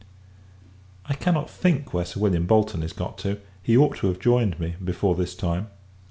I cannot think where Sir William Bolton is got to; he ought to have joined me, before this time.